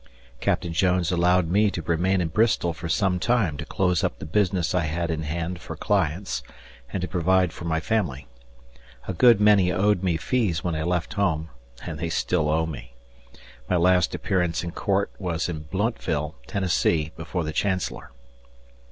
Captain Jones allowed me to remain in Bristol for some time to close up the business I had in hand for clients and to provide for my family. A good many owed me fees when I left home, and they still owe me. My last appearance in court was at Blountville, Tennessee, before the Chancellor.